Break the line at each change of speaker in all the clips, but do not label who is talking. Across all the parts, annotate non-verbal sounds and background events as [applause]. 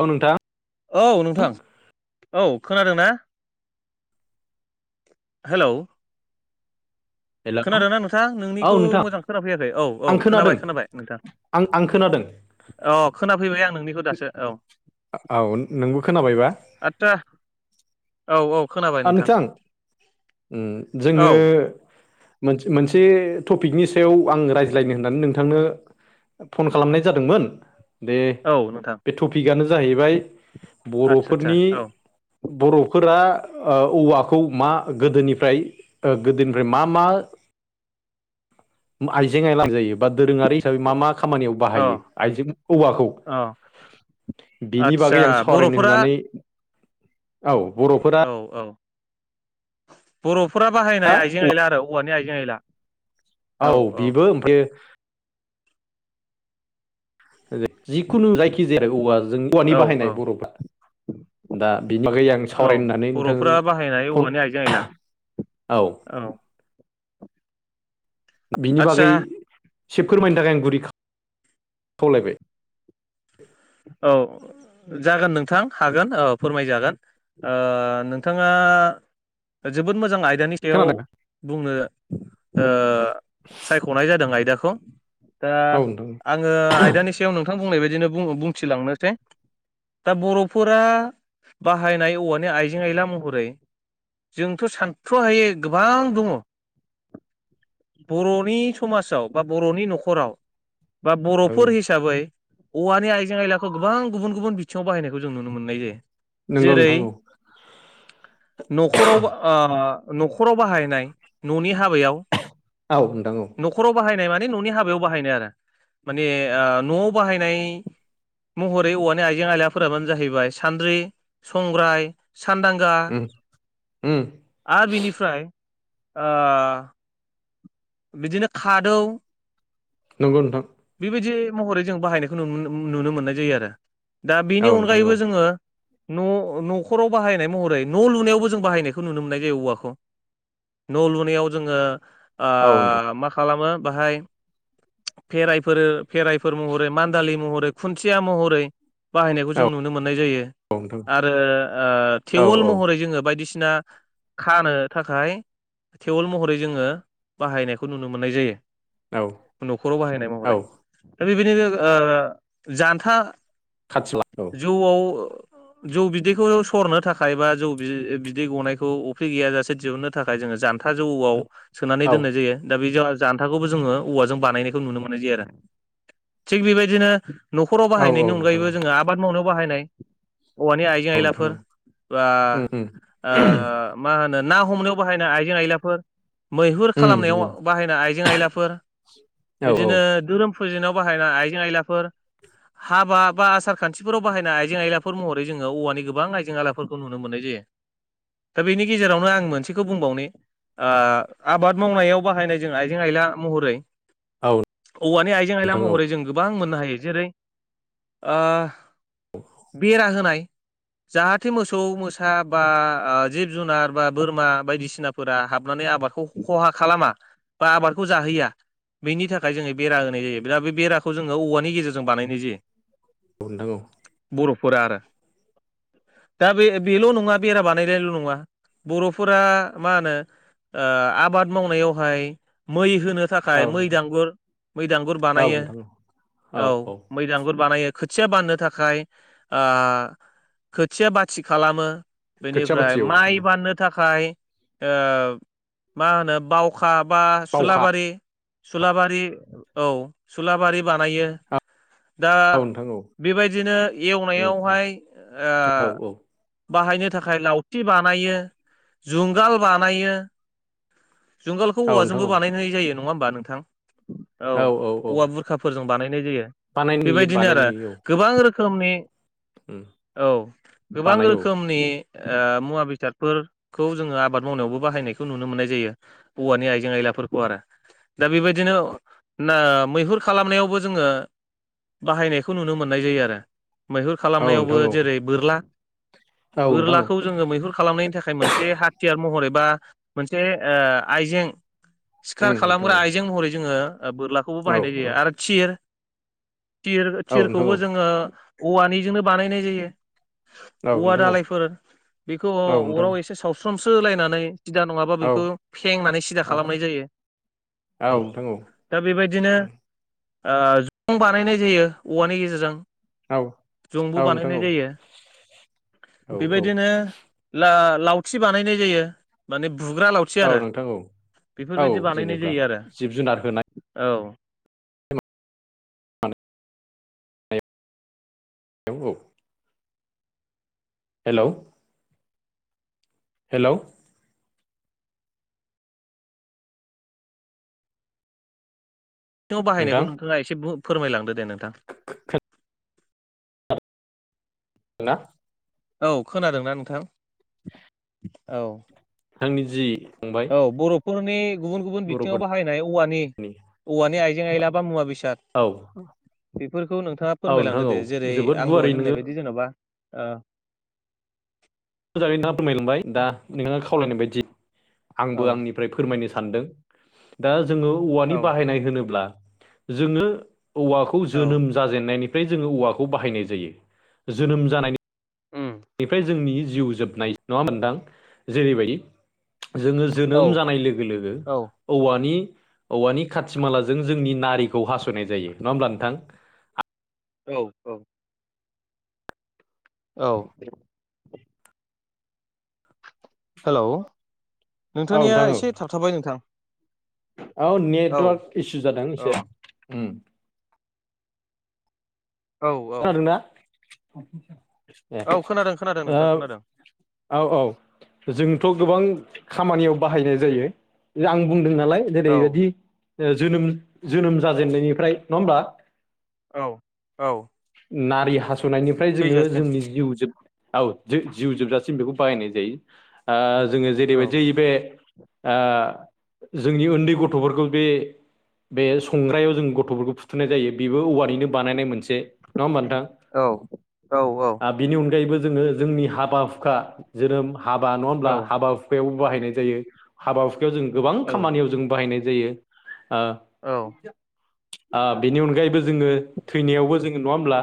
औ नोंथां।
औ नोंथां औ खोनादों ना? हेलौ
हेल'
खोनादों ना नोंथां
औ
नोंनिखौ
नोंथां
मोजां खोनाफैयाखै औ औ
आं
खोनाबाय
खोनादों
खोनाबाय नोंथां।
आं आं खोनादों
अ खोनाफैबाय आं नोंनि
औ नोंबो खोनाबायबा
आसा औ औ खोनाबाय
नोंथां उ
औ
जोंङो मोन मोनसे टपिकनि सायाव आं रायज्लायनो होननानै नोंथांनो फन खालामनाय जादोंमोन। दे
औ नोंथां
बे टपिकआनो जाहैबाय
आदसा आदसा
बर'फोरनि
औ
बर'फोरा अ औवाखौ मा गोदोनिफ्राय गोदोनिफ्राय मा मा आइजें [unintelligible] बा दोरोंङारि हिसाबै मा मा खामानियाव
अ
बाहायो आइजें औवाखौ
अ
बिनि
आदसा
बागै आं सावरायनो
बर'फोरा
होननानै औ बर'फोर
औ औ बर'फोरा बाहायनाय आइजें
औ
आइला आरो औवानि आइजें आइला
औ बिबो ओमफायो जिखुनु जायखि जाया औवा जों औवानि
औ
बाहायनाय
औ
बर'फ्रा। दा बिनि बागै आं
औ
सावरायनानै
बर'फोरा
नोंथांजों
बाहायनाय
फन
औवानि आइजें आइला
औ बिनि बागै
आदसा
एसे फोरमायनो थाखाय आं गुरै खावलायबाय।
औ जागोन नोंथां हागोन अ फोरमायजागोन अ नोंथांङा जोबोद मोजां आयदानि सायाव
खोनादोंना
बुंनो ओ सायख'नाय जादों आयदाखौ। दा
औ नोंथां
आङो आयदानि सायाव नोंथां बुंनाय बायदिनो बुंथिलांनोसै। दा बर'फोरा बाहायनाय औवानि आइजें आयला महरै जोंथ' सानथ्र'हायै गोबां दंङ। बर'नि समाजाव बा बर'नि न'खराव। बा
नोंथां
बर'फोर
औ
हिसाबै औवानि आय जें आइलाखौ गोबां गुबुन गुबुन बिथिङाव बाहायनायखौ जों नुनो मोननाय जायो
नंगौ
जेरै
नोंथां [inaudible]
न'खराव बा आ न'खराव बाहायनाय न'नि हाबायाव
औ नोंथां औ।
न'खराव बाहायनाय माने न'नि हाबायाव बाहायनाय आरो माने ओ न'आव बाहायनाय महरै औवानि आइजें आइलाफोराबानो जाहैबाय सान्द्रि, संग्राय सानदांगा
उम उम
आरो बिनिफ्राय आ बिदिनो खादौ
नंगौ नोंथां।
बेबायदि महरै जों बाहायनायखौ नुनो नुनो मोननाय जायो आरो। दा बेनि
औ
अनगायैबो जोंङो न' न'खराव बाहायनाय महरै न' लुनायावबो जों बाहायनायखौ नुनो मोननाय जायो औवाखौ। न' लुनायाव जोंङो आ मा खालामो बाहाय खेरायफोर खेराइफोर महरै, मान्दालि महरै, खुन्थिया महरै बाहायनायखौ जों नुनो मोननाय जायो।
नोंथां
आरो ओ
औ
थेवल
औ
महरै जोङो बायदिसि ना खानो थाखाय थेवल महरै जोङो बाहायनायखौ नुनो मोननाय
औ
जायो न'खराव बाहायनाय
औ
महरै [unintelligible] ओ जान्था
[unintelligible]
जुउआव जौ बिदैखौ सरनो थाखाय बा जौ बिदै गनायखौ अफ्रि गैयाजासे दिहुननो थाखाय जोङो जान्था जौआव सोनानै
औ
दोननाय जायो दा बे [unintelligible] जान्थाखौबो जोंङो औवाजों बानायनायखौ नुनो मोननाय जायो आरो थिग बेबायदिनो न'खराव
औ औ
बाहायनायनि
नोंथां
अनगायैबो
औ
जोङो आबाद मावनाय बाहायनाय। औवानि आइजें
औ नोंथां
आयलाफोर
औ
बा
उम उम
आ मा होनो ना हमनायाव बाहायनो आइजें आइलाफोर मैहुर
उम नोंथां औ
खालामनायाव बाहायनाय आइजें आइलाफोर,
औ औ नोंथां औ
बिदिनो धोरोम फुजिनायाव बाहायना आइजें आयलाफोर हाबा बा आसार खान्थिफोराव बाहायनाय आइजें आइलाफोर महरै जोङो औवानि गोबां आइजें आइला फोरखौ नुनो मोननाय जायो दा बेनि गेजेरावनो आं मोनसेखौ बुंबावनि ओ आबाद मावनायाव बाहायनाय जों आइजें आइला महरै औवानि आइजें आइला महरै जों गोबां मोननो हायो जेरै ओ बेरा होनाय जाहाथे मोसौ मोसा बा ओ जिब जुनार बा बोरमा बायदिसिनाफोरा हाबनानै आबादखौ ख'हा खालामा बा आबादखौ जाहैया बेनि थाखाय जोङो बेरा होनाय जायो दा बे बेराखौ जोङो औवानि गेजेरजों बानायनाय जायो।
नोंथां औ।
बर'फोरा आरो। दा बे बेल' नङा बेरा बानायनायल' नङा बर'फोरा मा होनो ओ आबाद मावनायावहाय मै होनो थाखाय
औ नोंथां
मैदुर मैदांगुर
औ
बानायो
नोंथां
औ। मैदगुर बानायो खोथिया बाननो थाखाय ओ खोथिया बाथि खालामो
खोथिया बाथि
बेनिफ्राय
औ नोंथां
माइ
औ
बाननो थाखाय ओ मा होनो बावखा बा
बावखा
सुलाबारि सुलाबारि औ सुलाबारि बानायो। दा
औ नोंथां औ
बेबायदिनो
उम उम
एवनायावहाय ओ
औ
बाहायनो थाखाय लावति बानायो जुंगाल बानायो जुंगालखौ
औ नोंथां औ
औवाजोंबो बानायनाय जायो नङा होमबा नोंथां? औ औवा बुरखाफोरजों बानायनाय जायो
बानायनाय नुयो
बेबायदिनो आरो।
बानायनाय नुयो औ
गोबां रोखोमनि
उम
औ गोबां
बानायो
रोखोमनि ओ मुवा बेसादफोरखौ जोङो आबाद मावनायावबो बाहायनायखौ नुनो मोननाय जायो औवानि आइजें आयलाफोरखौ आरो। दा बेबायदिनो ना मैहुर खालामनायावबो जोङो बाहायनायखौ नुनो मोननाय जायो आरो। मैहुर
औ
खालामनायावबो
नोंथां औ
जेरै बोरला
औ नोंथां औ
बोरलाखौ जोङो मैहुर खालामनायनि थाखाय खाय मोनसे हाथियार महर एबा [unintelligible] ओ आइजें सिखार
उम नोंथां औ
खालामग्रा आइजें महरै जोङो बोरला खौबो
औ
बाहायनाय जायो आरो थिर तिर
औ नोंथां औ नोंथां औ
थिरखौबो जोङो औवानिजोंनो बानायनाय जायो।
औ नोंथां औ नोंथां औ नोंथां औ
औवा दालायफोर बेखौ अराव एसे सावस्रोमसोलायनानै सिदा नङाबा खौ फेंनानै सिदा खालामनाय जायो औ दा बेबायदिनो ओ जं बानायनाय जायो औवानि गेजेरजों जंबो बानायनाय जायो बेबायदिनो ला-लावथि बानायनाय जायो माने बुग्रा लाव से
औ
आरो
नोंथां औ औ
बेफोरबायदि बानायनाय
जेनेब्ला
जायो आरो
जिब जुनार होनाय
औ।
नंगौ। हेलौ। हेलौ।
सिङाव
नोंथां
बाहायनायखौ नोंथाङा एसे फोरमायलांदो दे नोंथां।
ना।
औ खोनादोंना नोंथां? औ।
आंनि जि फंबाय
औ बर'फोरनि गुबुन गुबुन बिथिङाव
बर'फोरनि
बाहायनाय औवानि औवानि आइजें आइला बा मुवा बेसाद
औ
[inaudible] बिफोरखौ नोंथाङा
औ नोंथां
फोरमायलांदो
औ
दे जेरै
जोबोद
आं
गुवारै
दहाय
नोङो
होननाय बायदि जेन'बा अ
मोजाङै [unintelligible] फोरमायलांबाय दा नोङो खावलायनाय बायदि
औ
आंबो आंनि फ्राय फोरमायनो सानदों दा जोङो औवानि
औ
बाहायनाय होनोब्ला जोङो औवाखौ
औ
जोनोम जाजेनायनिफ्राय जोङो औवाखौ बाहायनाय जायो जोनोम जानायनि
ओम।
फ्राय जोंनि जिउ जोबनाय नङा होमबा नोंथां जेरैबायदि जोङो
औ
जोनोम जानाय लोगो लोगो
औ
औवानि औवानि खाथि मालाजों जोंनि नारिखौ हास'नाय जायो नङा होमब्ला नोंथां।
औ औ‌। औ। हेलौ
औ
नोंथांनिया
नोंथां
एसे
औ
थाबथाबाय नोंथां।
औ
औ
नेटवार्क इसु जादों एसे।
औ औ औ
जादोंना ए
औ खोनादों खोनादों नोंथां खोनादों
औ औ जोंथ' गोबां खामानियाव बाहायनाय जायो आं बुंदों नालाय
औ
जेरैबायदि जोनोम जोनोम जाजेननायनिफ्राय नङा होमबा।
औ औ।
नारि हास'नायनिफ्राय जोङो
थैजासिम
जोंनि जिउ जोब औ जिउ जोबजासिम बेखौ बाहायनाय जायो। ओ जोङो
औ
जेरैबायदि बे ओ जोंनि उन्दै गथ'फोरखौ बे बे संग्रायाव जों गथ'फोरखौ फुथुनाय जायो बेबो औवानिनो बानायनाय मोनसे नङा होमबा नोंथां।
औ औ औ।
बिनि अनगायैबो जोङो जोंनि हाबा हुखा जोरोम हाबा नङा
औ
होमब्ला हाबा हुख खुखायावबो बाहायनाय जायो हाबा हुखायाव जों गोबां खामानियाव जों बाहायनाय जायो। ओ
औ।
ओ बेनि अनगायैबो जोङो थैनायावबो जोङो नङा होमब्ला।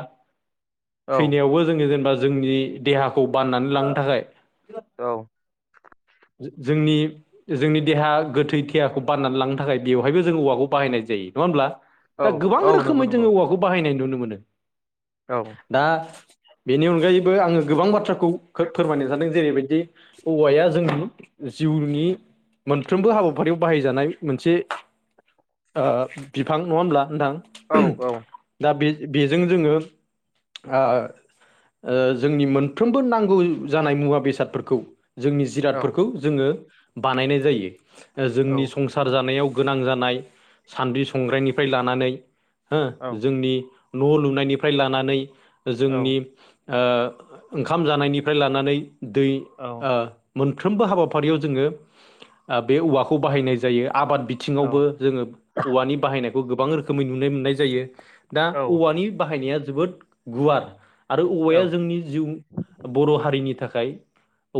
औ
थैनायावबो जोङो जेनेबा जोंनि देहाखौ बाननानै लांनो थाखाय
औ।
जो जोंनि जोंनि देहा गोथै देहाखौ बाननानै लांनो थाखाय बेवहायबो जों औवाखौ बाहायनाय जायो नङा होनब्ला?
औ
दा गोबां
औ नंगौ
रोखोमै
नंगौ
जोङो औवाखौ बाहायनाय नुनो मोनो।
औ।
दा बेनि अनगायैबो आङो गोबां बाथ्राखौ खोब फोरमायनो सानदों जेरैबायदि औवाया जोंनि जिउनि मोनफ्रोमबो हाबाफारियाव बाहायजानाय मोनसे ओ बिफां नङा होमब्ला नोंथां।
औ औ।
दा बे बेजों जोङो ओ ओ जोंनि मोनफ्रोमबो नांगौ जानाय मुवा बेसादफोरखौ जोंनि
औ
जिरादफोरखौ जोङो बानायनाय जायो
औ
जोंनि संसा सार जानायाव गोनां जानाय सान्द्रि संग्रायनिफ्राय लानानै हो
औ
जोंनि न' लुनायनिफ्राय लानानै जोंनि ओ ओंखाम जानायनिफ्राय लानानै दै ओ
औ
मोनफ्रोमबो हाबाफारियाव जोङो ओ बे औवाखौ बाहायनाय जायो आबाद बिथिङावबो जोङो औवानि बाहायनायखौ गोबां रोखोमै नुनो मोननाय जायो। दा औवानि बाहायनाया जोबोद गुवार आरो औवाया
औ
जोंनि जिउ बर' हारिनि थाखाय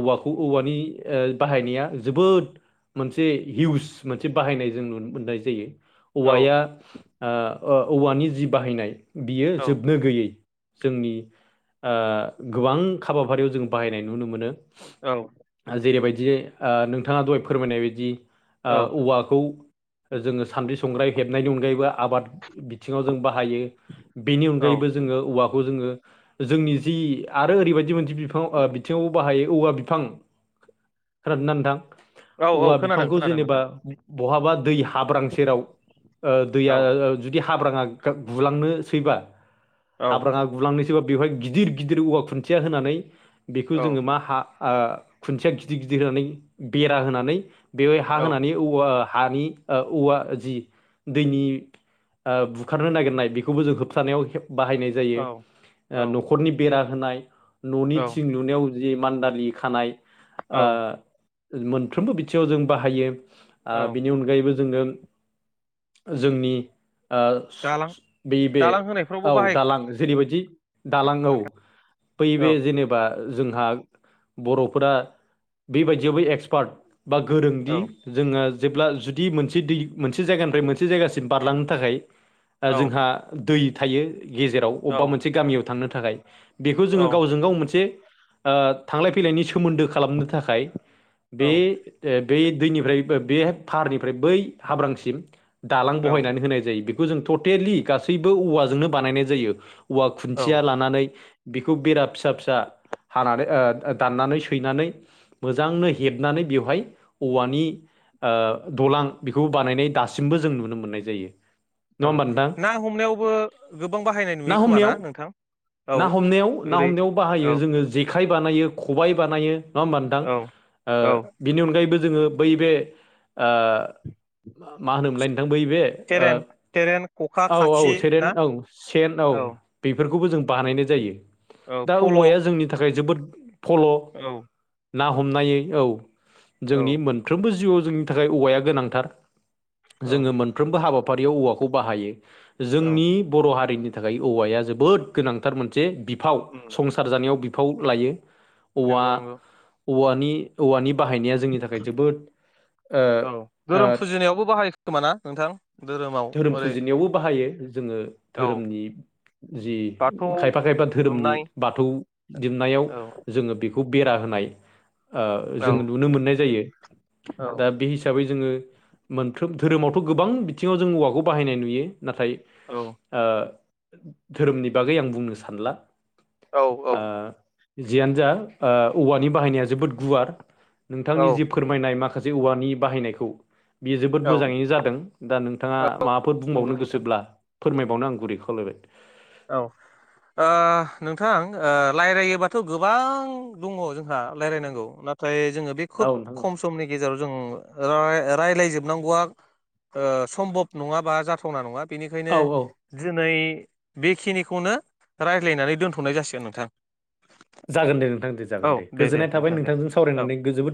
औवाखौ औवानि ओ बाहायनाया जोबोद मोनसे हिउस मोनसे बाहायनाय जों नुनो मोननाय जायो। औवाया
औ
ओ औवानि ओ जि बाहायनाय बियो
औ
जोबनो गैयै। जोंनि गोबां ओ हाबाफारियाव जों बाहायनाय नुनो मोनो।
औ
जेरैबायदि ओ नोंथाङा दहाय फोरमायनाय बायदि ओ
औ
औवाखौ जोङो सान्द्रिं संग्राय हेबनायनि अनगायैबो आबाद बिथिङाव जों बाहायो बेनि
औ
अनगायैबो जोङो औवाखौ खौ जोङो जोंनि जि आरो ओरैबायदि मोनसे बिफां बिथिङाव बाहायो औवा बिफां खोनादोंना नोंथां?
औ औ
औवा
खोनादों
बिफांखौ
खोनादों
जेनेबा
नोंथां
बहाबा दै हाब्रां सेराव ओ
औ
दैया ओ ओ जुदि हाब्राङा गुलांनोसैबा
औ
हाब्राङा गुलांनोसैबा बेवहाय गिदिर गिदिर औवा खुन्थिया होनानै बेखौ
औ
जोङो मा हा ओ खुन्थिया गिदिर गिदिर होनानै बेरा होनानै बेवहाय हा होनानै
औ
औवा हानि ओ औवा जि दैनि ओ बुखारनो नागिरनाय बेखौबो जों होबथानायाव हेफा बाहायनाय
औ
जायो। ओ न'खरनि बेरा होनाय न'नि थिं लुनायाव जि मान्दालि खानाय
औ
ओ मोनफ्रोमबो बिथिङाव जों बाहायो आ
औ
बिनि उन अनगायैबो जोङो जोंनि ओ
दालां
स-स बै बे
दालां होनायफ्रावबो
औ
बाहाय
दालां जेरैबायदि दालां औ।
नोंथां
बै
औ
बे जेनेब बा जोंहा बर'फोरा बेबायदियावबो एक्सपार्ट बा
औ
गोरोंदि जोङो जेब्ला जुदि मोनसे दै मोनसे जायगानिफ्राय मोनसे जायगासिम बारलांनो थाखाय ओ
औ
जोंहा दै थायो गेजेराव
औ
अबबा मोनसे गामियाव थांनो थाखाय बेखौ
औ
जोङो गावजों गाव मोनसे ओ थांलाय फैलायनि सोमोन्दो खालामनो थाखाय बे ओ बै दैनिफ्राय बे फारनिफ्राय बै हाब्रांसिम दालां बहायनानै होनाय जायो। बेखौ जों टटेलि गासैबो औवाजोंनो बानायनाय जायो। औवा
औ
खुन्थिया लानानै बेखौ बेरा फिसा फिसा हानानै ओ दाननानै स सैनानै मोजांनो हेबनानै बेवहाय औवानि ओ दलां बेखौ बानायनाय दासिमबो जों नुनो मोननाय जायो। नङा
औ
होमबा नोंथां
ना हमनायावबो गोबां बाहायनाय नुयो खोमा ना नोंथां? औ
ना हमनायाव ना
ओरै
हमनायाव बाहायो
औ
जोङो जे खाइ बानायो, खबाइ बानायो नङा होमबा नोंथां?
औ
ओ
औ
बिनि अनगायैबो जोङो बै बे ओ मा होनोमोनलाय नोंथां बै बे
सेरेन सेरेन खखा
ओ औ औ
खाखि
सेरेन
ना
औ सेन औ। बेफोरखौबो जों बानायनाय जायो।
औ
दा
फल'
औवाया जोंनि थाखाय जोबोद फल'
औ।
ना हमनाय औ
औ
जोंनि मोन फ्रोमबो जिउआव जोंनि थाखाय औवाया गोनांथार
औ
जोङो मोन मोनफ्रोमबो हाबाफारियाव औवाखौ बाहायो।
औ
जोंनि बर' हारिनि थाखाय औवाया जोबोद गोनांथार मोनसे बिफाव संसार संसार जानायाव बिफाव लायो औवा
नंगौ नंगौ
औवानि औवानि बाहायनाया जोंनि थाखाय जोबोद ओ
औ
ओ
धोरोम फुजिनायावबो बाहाय खोमाना नोंथां? धोरोमाव
जों
ओरै
फुजिनायावबो बाहायो। जोङो
औ
धोरोमनि जि
बाथौ
खायफा खायफा धोरोमनि
दुमनाय
बाथौ दुमनायाव
औ
जोङो खौ बेरा होनाय ओ
औ
जों नुनो मोननाय जायो
औ
दा बे हिसाबै जोङो। मोनफ्रोम धोरोमावथ' गोबां बिथिङाव जों औवाखौ बाहायनाय नुयो नाथाय।
औ
ओ धोरोमनि बागै आं बुंनो सानला ओ
औ
जियानो जा ओ औवानि बाहायनाया जोबोद गुवार
औ
नोंथांनि जि फोरमायनाय माखासे औवानि बाहायनायखौ बियो जोबोद
औ
मोजाङैनो जादों दा नोंथाङा
औ
माबाफोर
नंगौ
बुंबावनो
नोंथां
गोसोब्ला फोरमायबावनो आं गुरै खावलायबाय।
औ ओ नोंथां ओ रायलायोबाथ' गोबां दङ जोंहा रायलायनांगौ ना फ्राय जोङो बे
औ
खोब
नोंथां
खम समनि गेजेराव जों राय रायलायजोबनांगौआ ओ सम्भब नङा बा जाथावना नङा बेनिखायनो
औ औ
दिनै। बेखिनिखौनो रायज्लायनानै दोनथ'नाय जासिगोन नोंथां।
जागोन दे नोंथां दे
औ
जागोन दे गोजोननाय थाबाय
नोंथां दे
नोंथांजों
औ
सावरायनानै गो जोबोद।